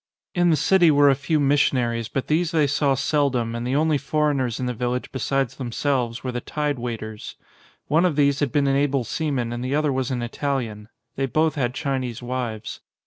In the city were a few missionaries but these they saw seldom and the only foreigners in the village besides themselves were the tide waiters. One of these had been an able seaman and the other was an Italian; they both had Chinese wives.